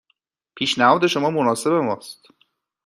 پیشنهاد شما مناسب ما است.